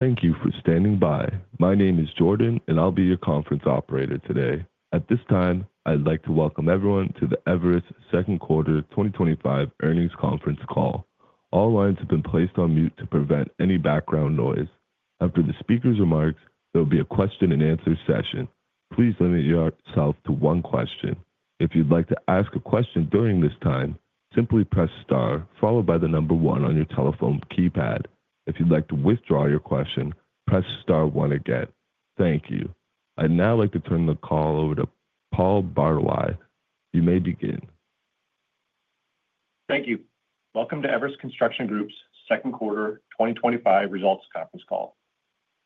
Thank you for standing by. My name is Jordan, and I'll be your conference operator today. At this time, I'd like to welcome everyone to the Everus Second Quarter 2025 Earnings Conference Call. All lines have been placed on mute to prevent any background noise. After the speakers' remarks, there will be a question-and-answer session. Please limit yourself to one question. If you'd like to ask a question during this time, simply press star, followed by the number one on your telephone keypad. If you'd like to withdraw your question, press star one again. Thank you. I'd now like to turn the call over to Paul Bartloai. You may begin. Thank you. Welcome to Everus Construction Group's Second Quarter 2025 Results Conference Call.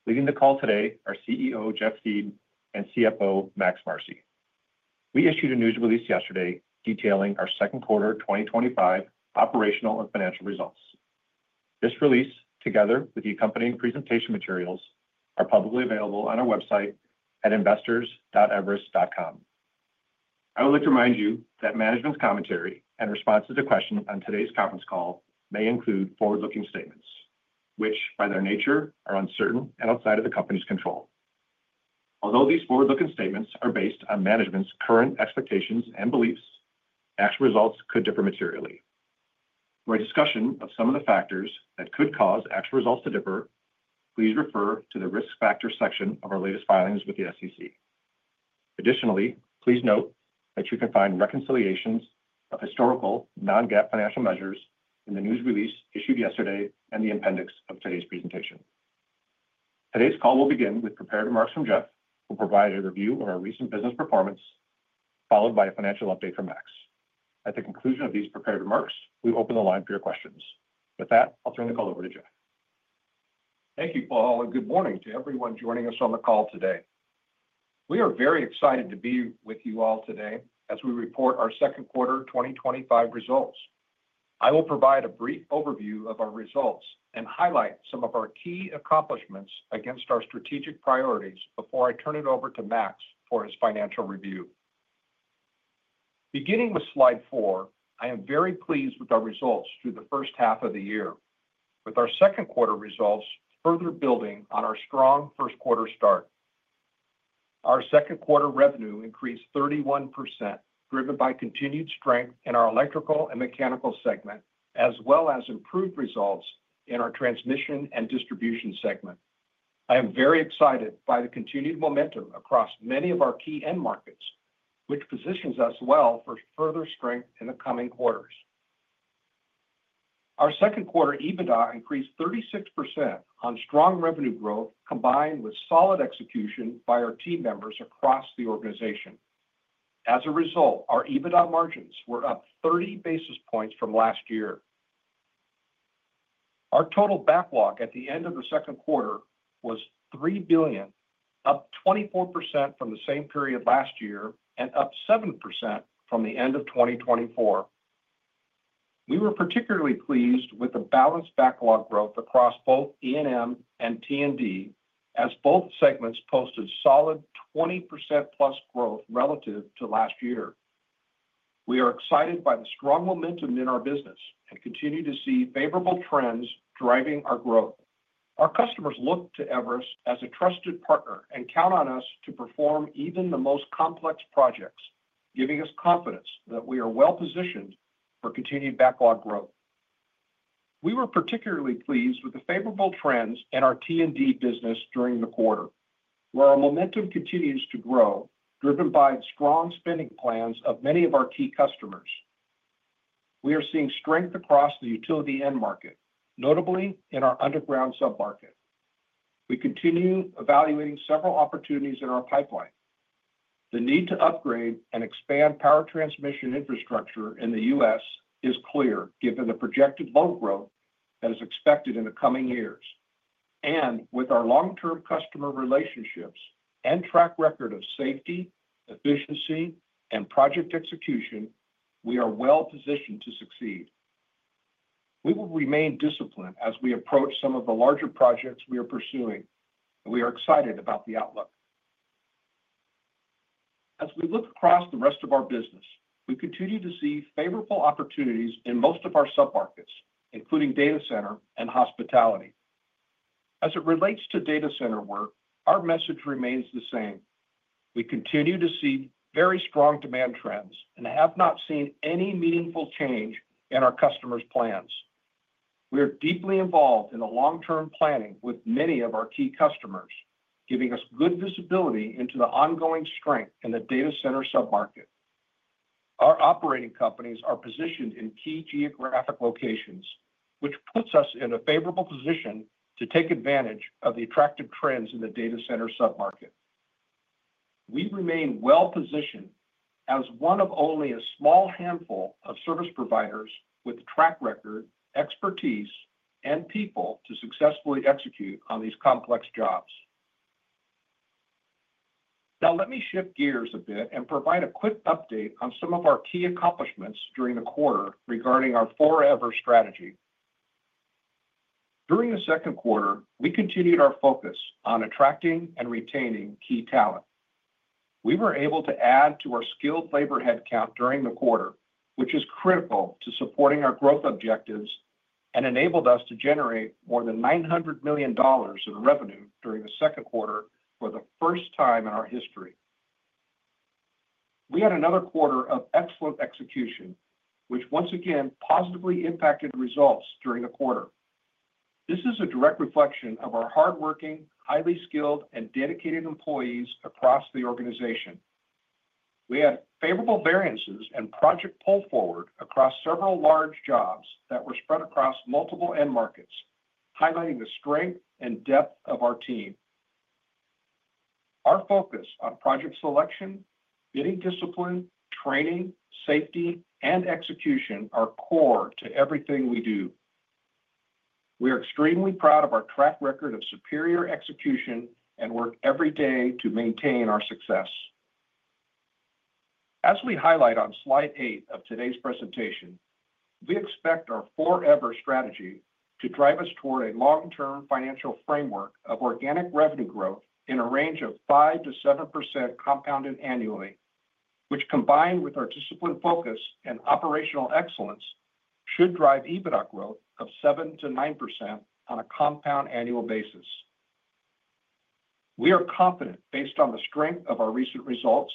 Leading the call today are CEO Jeff Thiede and CFO Max Marcy. We issued a news release yesterday detailing our Second Quarter 2025 operational and financial results. This release, together with the accompanying presentation materials, is publicly available on our website at investors.everus.com. I would like to remind you that management's commentary and response to the questions on today's conference call may include forward-looking statements, which, by their nature, are uncertain and outside of the company's control. Although these forward-looking statements are based on management's current expectations and beliefs, actual results could differ materially. For a discussion of some of the factors that could cause actual results to differ, please refer to the risk factors section of our latest filings with the SEC. Additionally, please note that you can find reconciliations of historical non-GAAP financial measures in the news release issued yesterday and the appendix of today's presentation. Today's call will begin with prepared remarks from Jeff, who will provide a review of our recent business performance, followed by a financial update from Max. At the conclusion of these prepared remarks, we will open the line for your questions. With that, I'll turn the call over to Jeff. Thank you, Paul, and good morning to everyone joining us on the call today. We are very excited to be with you all today as we report our second quarter 2025 results. I will provide a brief overview of our results and highlight some of our key accomplishments against our strategic priorities before I turn it over to Max for his financial review. Beginning with slide four, I am very pleased with our results through the first half of the year, with our second quarter results further building on our strong first quarter start. Our second quarter revenue increased 31%, driven by continued strength in our Electrical & Mechanical segment, as well as improved results in our Transmission & Distribution segment. I am very excited by the continued momentum across many of our key end markets, which positions us well for further strength in the coming quarters. Our second quarter EBITDA increased 36% on strong revenue growth, combined with solid execution by our team members across the organization. As a result, our EBITDA margins were up 30 basis points from last year. Our total backlog at the end of the second quarter was $3 billion, up 24% from the same period last year and up 7% from the end of 2024. We were particularly pleased with the balanced backlog growth across both E&M and T&D, as both segments posted solid 20%+ growth relative to last year. We are excited by the strong momentum in our business and continue to see favorable trends driving our growth. Our customers look to Everus as a trusted partner and count on us to perform even the most complex projects, giving us confidence that we are well positioned for continued backlog growth. We were particularly pleased with the favorable trends in our T&D business during the quarter, where our momentum continues to grow, driven by strong spending plans of many of our key customers. We are seeing strength across the utility end market, notably in our underground submarket. We continue evaluating several opportunities in our pipeline. The need to upgrade and expand power transmission infrastructure in the U.S. is clear, given the projected load growth that is expected in the coming years. With our long-term customer relationships and track record of safety, efficiency, and project execution, we are well positioned to succeed. We will remain disciplined as we approach some of the larger projects we are pursuing, and we are excited about the outlook. As we look across the rest of our business, we continue to see favorable opportunities in most of our submarkets, including data center and hospitality. As it relates to data center work, our message remains the same. We continue to see very strong demand trends and have not seen any meaningful change in our customers' plans. We are deeply involved in the long-term planning with many of our key customers, giving us good visibility into the ongoing strength in the data center submarket. Our operating companies are positioned in key geographic locations, which puts us in a favorable position to take advantage of the attractive trends in the data center submarket. We remain well positioned as one of only a small handful of service providers with a track record, expertise, and people to successfully execute on these complex jobs. Now, let me shift gears a bit and provide a quick update on some of our key accomplishments during the quarter regarding our Forever strategy. During the second quarter, we continued our focus on attracting and retaining key talent. We were able to add to our skilled labor headcount during the quarter, which is critical to supporting our growth objectives and enabled us to generate more than $900 million in revenue during the second quarter for the first time in our history. We had another quarter of excellent execution, which once again positively impacted the results during the quarter. This is a direct reflection of our hardworking, highly skilled, and dedicated employees across the organization. We had favorable variances and project pull-forwards across several large jobs that were spread across multiple end markets, highlighting the strength and depth of our team. Our focus on project selection, bidding discipline, training, safety, and execution are core to everything we do. We are extremely proud of our track record of superior execution and work every day to maintain our success. As we highlight on slide eight of today's presentation, we expect our Forever strategy to drive us toward a long-term financial framework of organic revenue growth in a range of 5%-7% compounded annually, which, combined with our disciplined focus and operational excellence, should drive EBITDA growth of 7%-9% on a compound annual basis. We are confident, based on the strength of our recent results,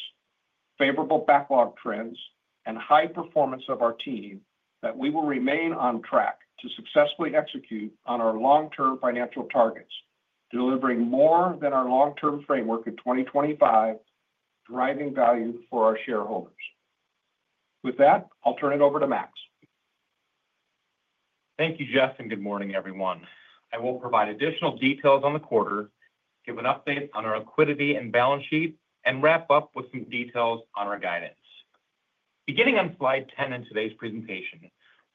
favorable backlog trends, and high performance of our team, that we will remain on track to successfully execute on our long-term financial targets, delivering more than our long-term framework in 2025, grinding value for our shareholders. With that, I'll turn it over to Max. Thank you, Jeff, and good morning, everyone. I will provide additional details on the quarter, give an update on our liquidity and balance sheet, and wrap up with some details on our guidance. Beginning on slide 10 in today's presentation,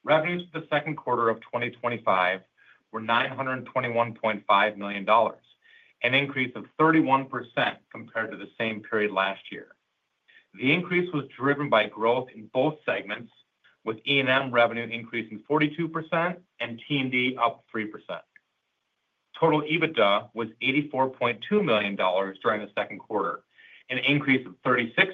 revenues for the second quarter of 2025 were $921.5 million, an increase of 31% compared to the same period last year. The increase was driven by growth in both segments, with E&M revenue increasing 42% and T&D up 3%. Total EBITDA was $84.2 million during the second quarter, an increase of 36%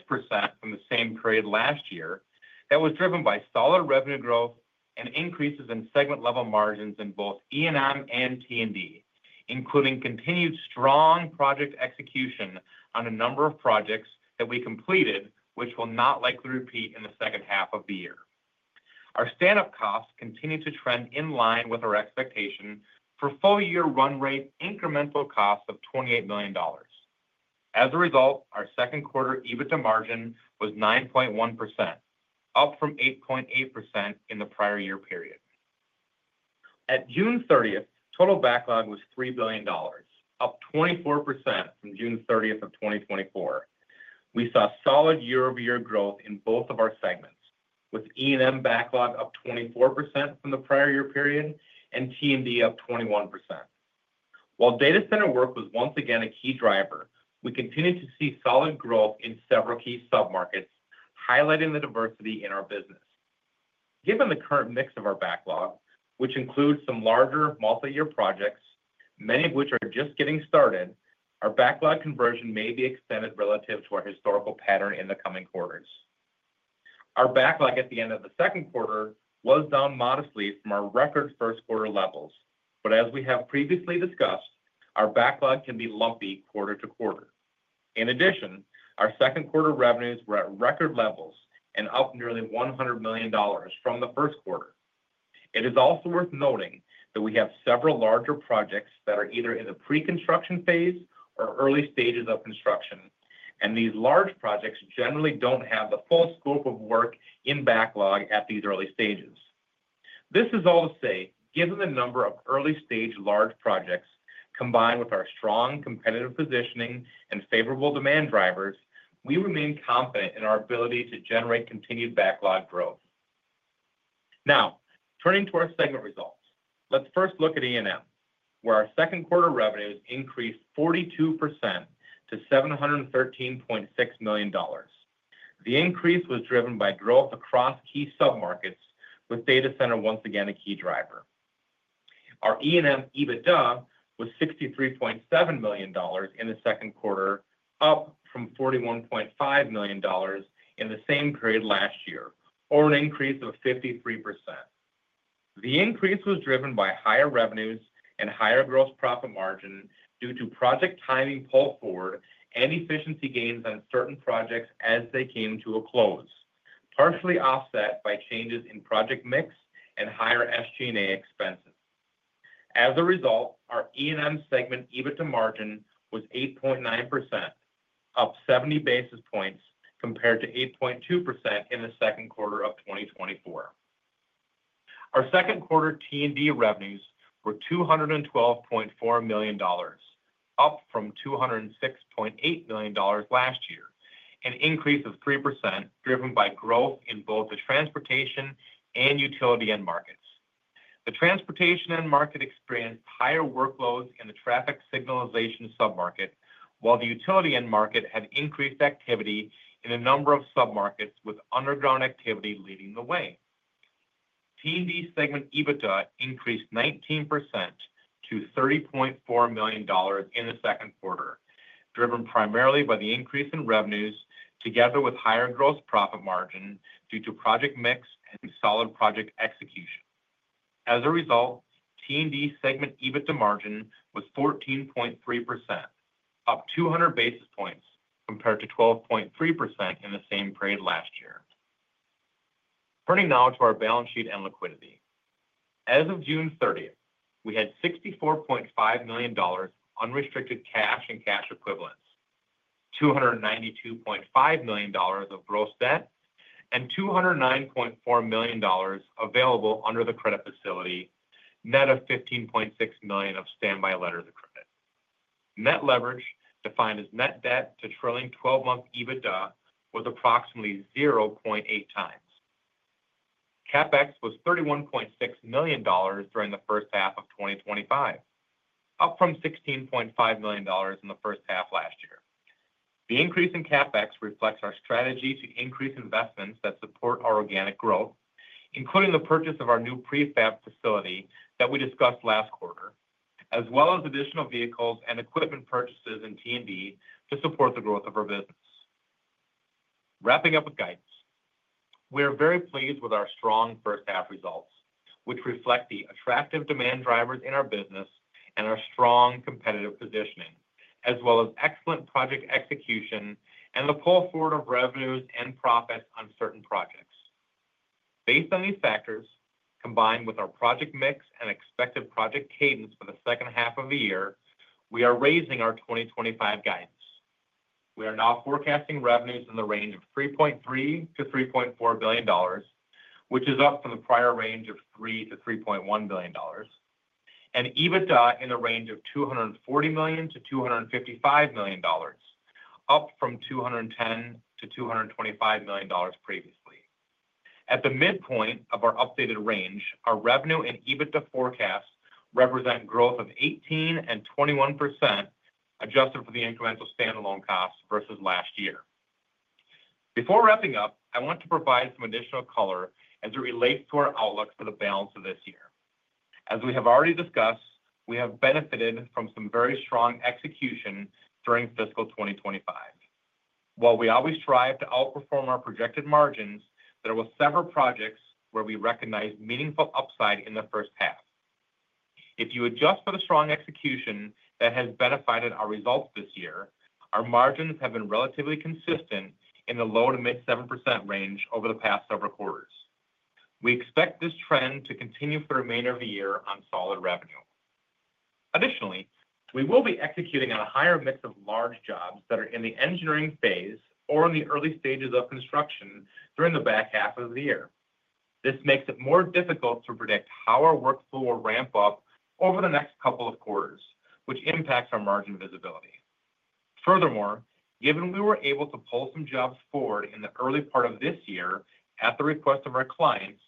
from the same period last year that was driven by solid revenue growth and increases in segment-level margins in both E&M and T&D, including continued strong project execution on a number of projects that we completed, which will not likely repeat in the second half of the year. Our standup costs continue to trend in line with our expectation for full-year run rate incremental costs of $28 million. As a result, our second quarter EBITDA margin was 9.1%, up from 8.8% in the prior year period. At June 30th, total backlog was $3 billion, up 24% from June 30th of 2024. We saw solid year-over-year growth in both of our segments, with E&M backlog up 24% from the prior year period and T&D up 21%. While data center work was once again a key driver, we continued to see solid growth in several key submarkets, highlighting the diversity in our business. Given the current mix of our backlog, which includes some larger multi-year projects, many of which are just getting started, our backlog conversion may be extended relative to our historical pattern in the coming quarters. Our backlog at the end of the second quarter was down modestly from our record first quarter levels, but as we have previously discussed, our backlog can be lumpy quarter to quarter. In addition, our second quarter revenues were at record levels and up nearly $100 million from the first quarter. It is also worth noting that we have several larger projects that are either in the pre-construction phase or early stages of construction, and these large projects generally do not have the full scope of work in backlog at these early stages. This is all to say, given the number of early-stage large projects, combined with our strong competitive positioning and favorable demand drivers, we remain confident in our ability to generate continued backlog growth. Now, turning to our segment results, let's first look at E&M, where our second quarter revenues increased 42% to $713.6 million. The increase was driven by growth across key submarkets, with data center once again a key driver. Our E&M EBITDA was $63.7 million in the second quarter, up from $41.5 million in the same period last year, or an increase of 53%. The increase was driven by higher revenues and higher gross profit margin due to project timing pull forward and efficiency gains on certain projects as they came to a close, partially offset by changes in project mix and higher SG&A expenses. As a result, our E&M segment EBITDA margin was 8.9%, up 70 basis points compared to 8.2% in the second quarter of 2024. Our second quarter T&D revenues were $212.4 million, up from $206.8 million last year, an increase of 3% driven by growth in both the transportation and utility end markets. The transportation end market experienced higher workloads in the traffic signalization submarket, while the utility end market had increased activity in a number of submarkets with underground activity leading the way. T&D segment EBITDA increased 19% to $30.4 million in the second quarter, driven primarily by the increase in revenues, together with higher gross profit margin due to project mix and solid project execution. As a result, T&D segment EBITDA margin was 14.3%, up 200 basis points compared to 12.3% in the same period last year. Turning now to our balance sheet and liquidity. As of June 30, we had $64.5 million unrestricted cash and cash equivalents, $292.5 million of gross debt, and $209.4 million available under the credit facility, net of $15.6 million of standby letters of credit. Net leverage, defined as net debt to trailing 12-month EBITDA, was approximately 0.8x. CapEx was $31.6 million during the first half of 2025, up from $16.5 million in the first half last year. The increase in CapEx reflects our strategy to increase investments that support our organic growth, including the purchase of our new prefab facility that we discussed last quarter, as well as additional vehicles and equipment purchases in T&D to support the growth of our business. Wrapping up with guidance, we are very pleased with our strong first half results, which reflect the attractive demand drivers in our business and our strong competitive positioning, as well as excellent project execution and the pull forward of revenues and profit on certain projects. Based on these factors, combined with our project mix and expected project cadence for the second half of the year, we are raising our 2025 guidance. We are now forecasting revenues in the range of $3.3 billion-$3.4 billion, which is up from the prior range of $3 billion-$3.1 billion, and EBITDA in the range of $240 million-$255 million, up from $210 million-$225 million previously. At the midpoint of our updated range, our revenue and EBITDA forecasts represent growth of 18% and 21% adjusted for the incremental standalone costs versus last year. Before wrapping up, I want to provide some additional color as it relates to our outlook for the balance of this year. As we have already discussed, we have benefited from some very strong execution during fiscal 2025. While we always strive to outperform our projected margins, there were several projects where we recognized meaningful upside in the first half. If you adjust for the strong execution that has benefited our results this year, our margins have been relatively consistent in the low to mid 7% range over the past several quarters. We expect this trend to continue for the remainder of the year on solid revenue. Additionally, we will be executing on a higher mix of large jobs that are in the engineering phase or in the early stages of construction during the back half of the year. This makes it more difficult to predict how our workflow will ramp up over the next couple of quarters, which impacts our margin visibility. Furthermore, given we were able to pull some jobs forward in the early part of this year at the request of our clients,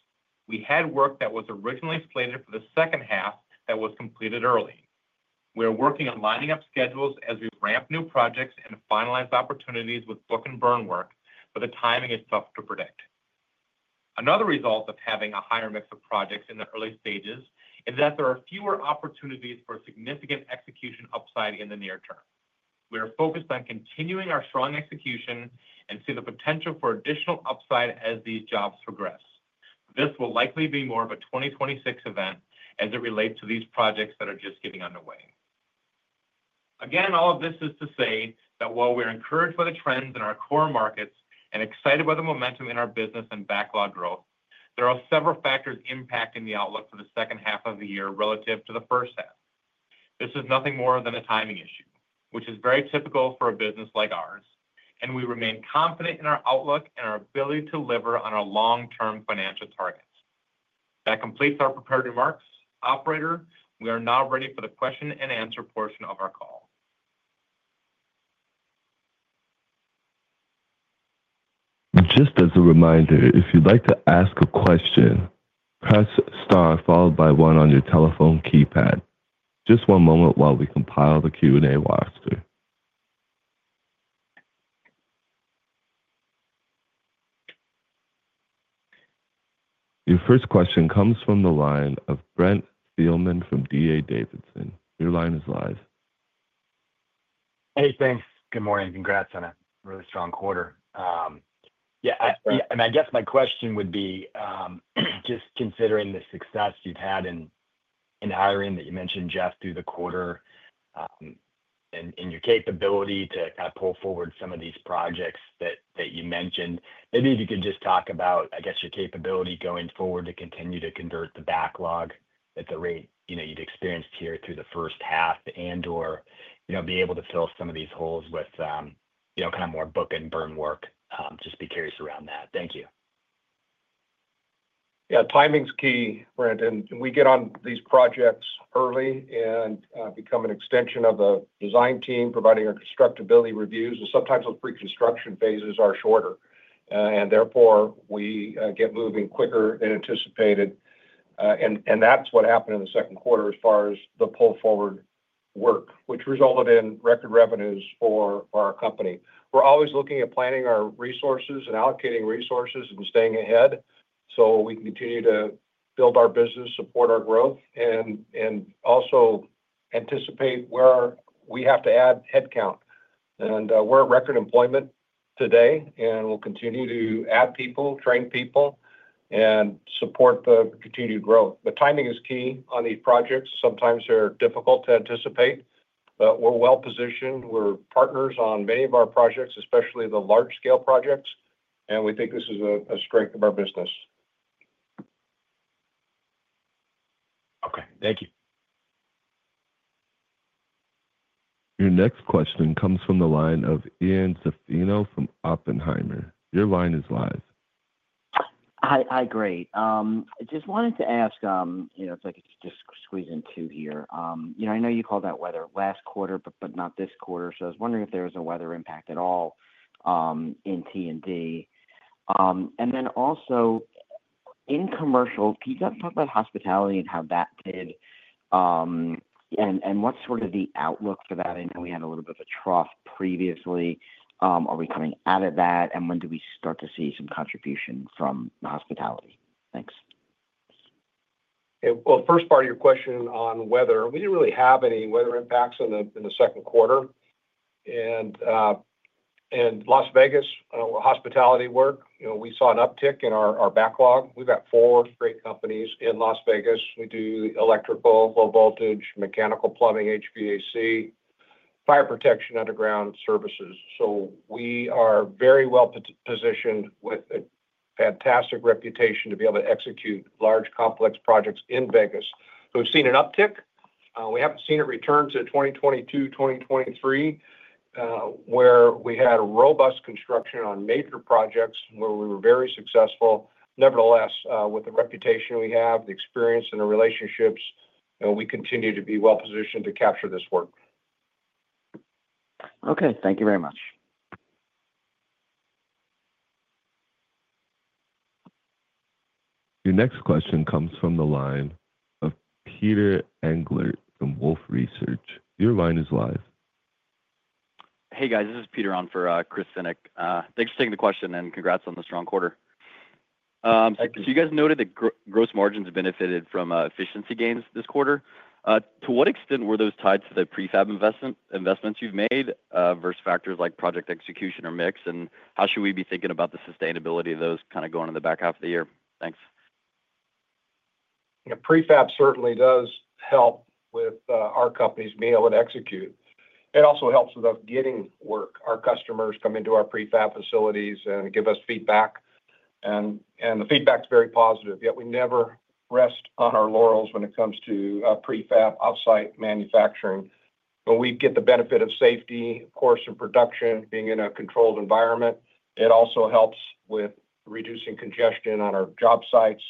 we had work that was originally slated for the second half that was completed early. We are working on lining up schedules as we ramp new projects and finalize opportunities with book and burn work, but the timing is tough to predict. Another result of having a higher mix of projects in the early stages is that there are fewer opportunities for significant execution upside in the near term. We are focused on continuing our strong execution and see the potential for additional upside as these jobs progress. This will likely be more of a 2026 event as it relates to these projects that are just getting underway. Again, all of this is to say that while we are encouraged by the trends in our core markets and excited by the momentum in our business and backlog growth, there are several factors impacting the outlook for the second half of the year relative to the first half. This is nothing more than a timing issue, which is very typical for a business like ours, and we remain confident in our outlook and our ability to deliver on our long-term financial targets. That completes our prepared remarks. Operator, we are now ready for the question-and-answer portion of our call. Just as a reminder, if you'd like to ask a question, press star followed by one on your telephone keypad. Just one moment while we compile the Q&A wisely. Your first question comes from the line of Brent Thielman from D.A. Davidson. Your line is live. Hey, thanks. Good morning. Congrats on a really strong quarter. I guess my question would be, just considering the success you've had in hiring that you mentioned, Jeff, through the quarter, and your capability to kind of pull forward some of these projects that you mentioned, maybe if you could just talk about your capability going forward to continue to convert the backlog at the rate you'd experienced here through the first half and/or be able to fill some of these holes with more book and burn work. Just be curious around that. Thank you. Yeah, timing's key, Brent. We get on these projects early and become an extension of the design team, providing our constructability reviews. Sometimes those pre-construction phases are shorter, and therefore we get moving quicker than anticipated. That's what happened in the second quarter as far as the pull forward work, which resulted in record revenues for our company. We're always looking at planning our resources and allocating resources and staying ahead so we can continue to build our business, support our growth, and also anticipate where we have to add headcount. We're at record employment today, and we'll continue to add people, train people, and support the continued growth. The timing is key on these projects. Sometimes they're difficult to anticipate, but we're well positioned. We're partners on many of our projects, especially the large-scale projects, and we think this is a strength of our business. Okay, thank you. Your next question comes from the line of Ian Zaffino from Oppenheimer. Your line is live. Hi, great. I just wanted to ask if I could just squeeze in two here. I know you called out weather last quarter, but not this quarter, so I was wondering if there was a weather impact at all in T&D. Also, in commercial, can you talk about hospitality and how that did and what's sort of the outlook for that? I know we had a little bit of a trough previously. Are we coming out of that, and when do we start to see some contribution from the hospitality? Thanks. First part of your question on weather, we didn't really have any weather impacts in the second quarter. In Las Vegas hospitality work, you know, we saw an uptick in our backlog. We've got four great companies in Las Vegas. We do the electrical, low voltage, mechanical plumbing, HVAC, fire protection, underground services. We are very well positioned with a fantastic reputation to be able to execute large complex projects in Vegas. We've seen an uptick. We haven't seen it return to 2022-2023, where we had a robust construction on major projects and where we were very successful. Nevertheless, with the reputation we have, the experience, and the relationships, we continue to be well positioned to capture this work. Okay, thank you very much. Your next question comes from the line of Peter Englert from Wolfe Research. Your line is live. Hey, guys. This is Peter on for Chris Cynic. Thanks for taking the question and congrats on the strong quarter. Thank you. You guys noted that gross margins benefited from efficiency gains this quarter. To what extent were those tied to the prefab investments you've made versus factors like project execution or mix? How should we be thinking about the sustainability of those kind of going in the back half of the year? Thanks. Yeah, prefab certainly does help with our companies being able to execute. It also helps with us getting work. Our customers come into our prefab facilities and give us feedback, and the feedback is very positive. We never rest on our laurels when it comes to prefab offsite manufacturing. When we get the benefit of safety, of course, in production, being in a controlled environment, it also helps with reducing congestion on our job sites.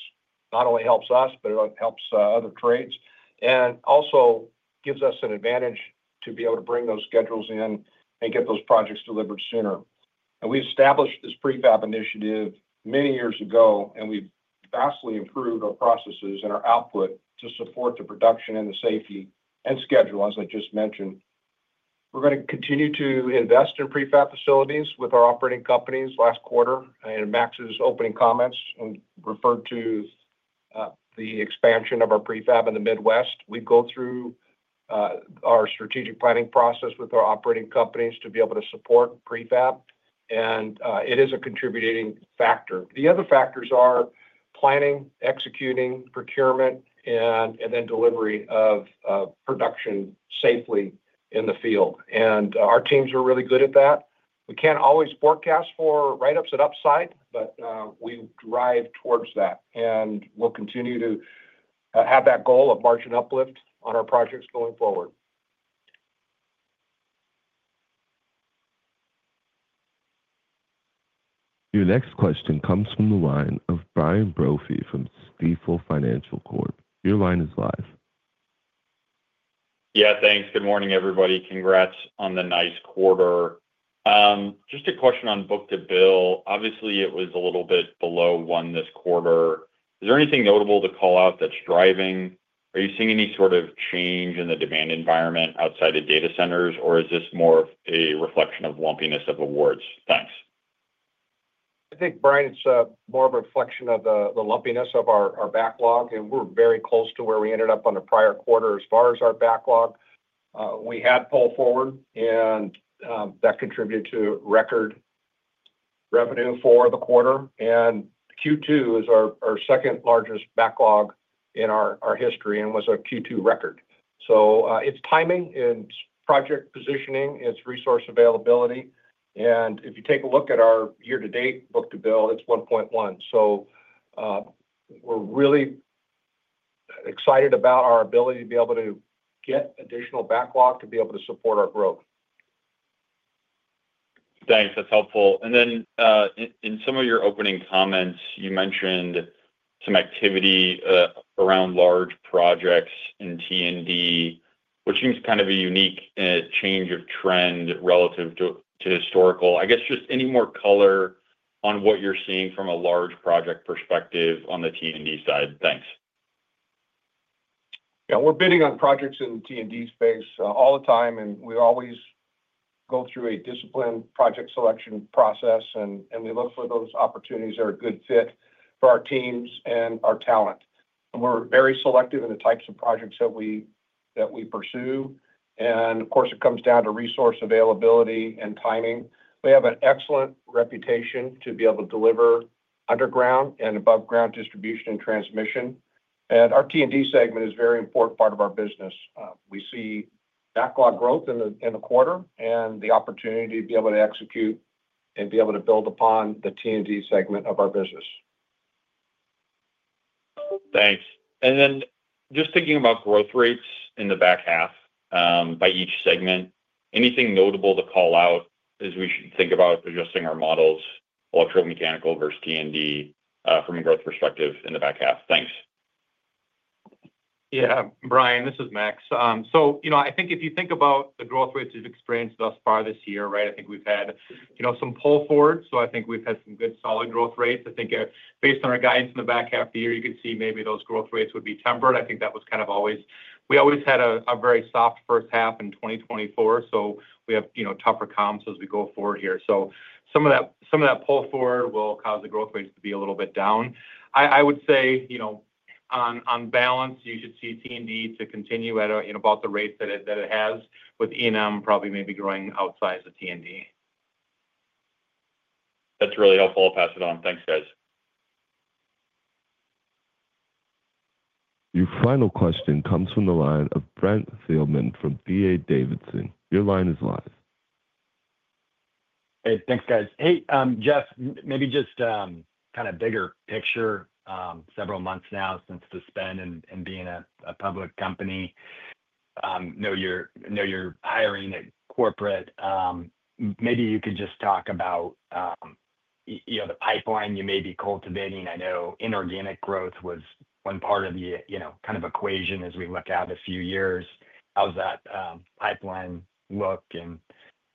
It not only helps us, but it helps other trades and also gives us an advantage to be able to bring those schedules in and get those projects delivered sooner. We established this prefab initiative many years ago, and we've vastly improved our processes and our output to support the production and the safety and schedule, as I just mentioned. We're going to continue to invest in prefab facilities with our operating companies last quarter. Max's opening comments referred to the expansion of our prefab in the Midwest. We go through our strategic planning process with our operating companies to be able to support prefab, and it is a contributing factor. The other factors are planning, executing, procurement, and then delivery of production safely in the field. Our teams are really good at that. We can't always forecast for write-ups and upside, but we drive towards that, and we'll continue to have that goal of margin uplift on our projects going forward. Your next question comes from the line of Brian Brophy from Stifel. Your line is live. Yeah, thanks. Good morning, everybody. Congrats on the nice quarter. Just a question on book to bill. Obviously, it was a little bit below one this quarter. Is there anything notable to call out that's driving? Are you seeing any sort of change in the demand environment outside of data centers, or is this more of a reflection of lumpiness of awards? Thanks. I think, Brian, it's more of a reflection of the lumpiness of our backlog. We're very close to where we ended up on the prior quarter as far as our backlog. We had pull forward, and that contributed to record revenue for the quarter. Q2 is our second largest backlog in our history and was a Q2 record. It's timing and project positioning. It's resource availability. If you take a look at our year-to-date book to bill, it's 1.1. We're really excited about our ability to be able to get additional backlog to be able to support our growth. Thanks. That's helpful. In some of your opening comments, you mentioned some activity around large projects in T&D, which seems kind of a unique change of trend relative to historical. I guess just any more color on what you're seeing from a large project perspective on the T&D side. Thanks. Yeah, we're bidding on projects in the T&D space all the time, and we always go through a disciplined project selection process. We look for those opportunities that are a good fit for our teams and our talent. We're very selective in the types of projects that we pursue. Of course, it comes down to resource availability and timing. We have an excellent reputation to be able to deliver underground and above ground distribution and transmission, and our T&D segment is a very important part of our business. We see backlog growth in the quarter and the opportunity to be able to execute and be able to build upon the T&D segment of our business. Thanks. Just thinking about growth rates in the back half by each segment, anything notable to call out as we should think about adjusting our models, Electrical & Mechanical versus T&D from a growth perspective in the back half? Thanks. Yeah, Brian, this is Max. If you think about the growth rates we've experienced thus far this year, I think we've had some pull forward. I think we've had some good solid growth rates. Based on our guidance in the back half of the year, you can see maybe those growth rates would be tempered. That was kind of always, we always had a very soft first half in 2024. We have tougher comps as we go forward here. Some of that pull forward will cause the growth rates to be a little bit down. I would say, on balance, you should see T&D continue at about the rates that it has, with E&M probably maybe growing outside of the T&D. That's really helpful. I'll pass it on. Thanks, guys. Your final question comes from the line of Brent Thielman from D.A. Davidson. Your line is live. Hey, thanks, guys. Hey, Jeff, maybe just kind of bigger picture. Several months now since the spend and being a public company. I know you're hiring at Corporate. Maybe you could just talk about, you know, the pipeline you may be cultivating. I know inorganic growth was one part of the, you know, kind of equation as we look out a few years. How's that pipeline look and,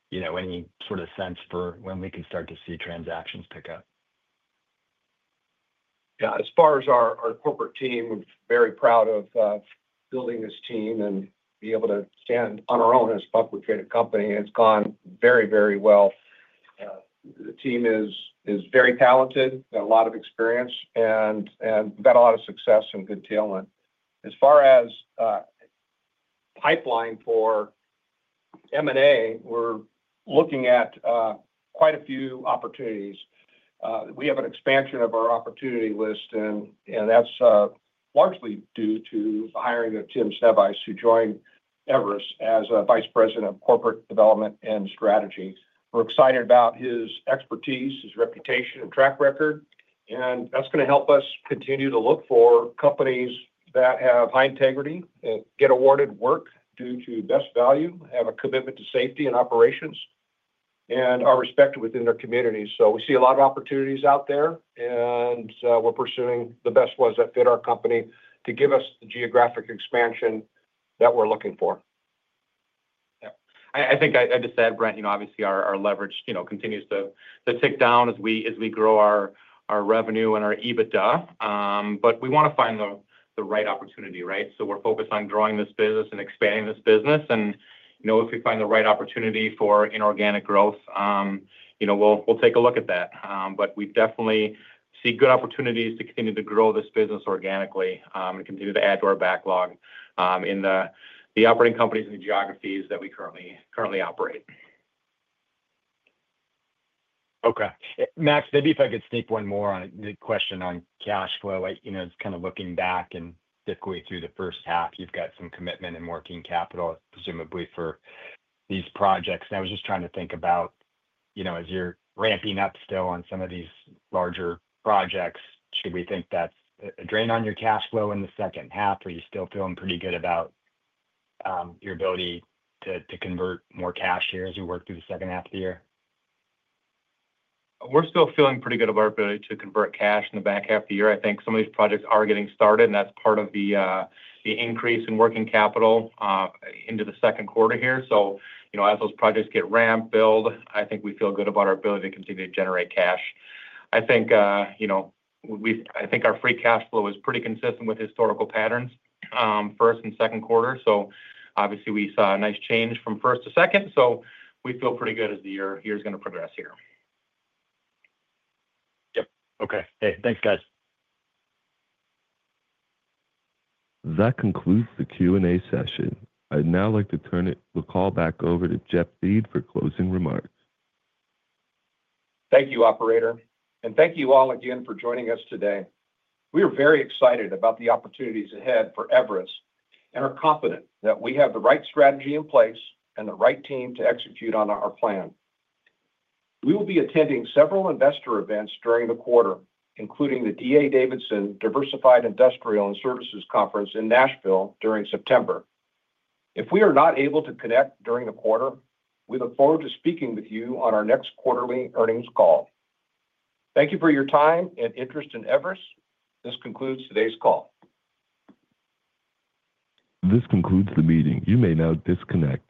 you know, any sort of sense for when we can start to see transactions pick up? Yeah, as far as our corporate team, I'm very proud of building this team and being able to stand on our own as a publicly traded company. It's gone very, very well. The team is very talented, got a lot of experience, and I've had a lot of success and good talent. As far as pipeline for M&A, we're looking at quite a few opportunities. We have an expansion of our opportunity list, and that's largely due to the hiring of Tim Sevis, who joined Everus as Vice President of Corporate Development and Strategy. We're excited about his expertise, his reputation, and track record, and that's going to help us continue to look for companies that have high integrity, get awarded work due to best value, have a commitment to safety and operations, and are respected within their communities. We see a lot of opportunities out there, and we're pursuing the best ones that fit our company to give us the geographic expansion that we're looking for. Yeah, I think I just said, Brent, obviously our leverage continues to tick down as we grow our revenue and our EBITDA, but we want to find the right opportunity, right? We are focused on growing this business and expanding this business, and if we find the right opportunity for inorganic growth, we'll take a look at that. We definitely see good opportunities to continue to grow this business organically and continue to add to our backlog in the operating companies and the geographies that we currently operate. Okay. Max, maybe if I could sneak one more on the question on cash flow, you know, it's kind of looking back and typically through the first half, you've got some commitment in working capital, presumably for these projects. I was just trying to think about, you know, as you're ramping up still on some of these larger projects, should we think that's a drain on your cash flow in the second half, or are you still feeling pretty good about your ability to convert more cash here as you work through the second half of the year? We're still feeling pretty good about our ability to convert cash in the back half of the year. I think some of these projects are getting started, and that's part of the increase in working capital into the second quarter here. As those projects get ramped, build, I think we feel good about our ability to continue to generate cash. I think our free cash flow is pretty consistent with historical patterns, first and second quarter. Obviously, we saw a nice change from first to second, so we feel pretty good as the year's going to progress here. Okay. Hey, thanks, guys. That concludes the Q&A session. I'd now like to turn the call back over to Jeff Thiede for closing remarks. Thank you, Operator, and thank you all again for joining us today. We are very excited about the opportunities ahead for Everus and are confident that we have the right strategy in place and the right team to execute on our plan. We will be attending several investor events during the quarter, including the D.A. Davidson Diversified Industrial and Services Conference in Nashville during September. If we are not able to connect during the quarter, we look forward to speaking with you on our next quarterly earnings call. Thank you for your time and interest in Everus. This concludes today's call. This concludes the meeting. You may now disconnect.